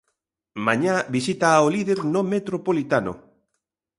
Mañá visita ao líder no Metropolitano.